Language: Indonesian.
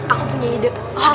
aku punya ide